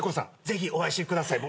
ぜひお会いしてください。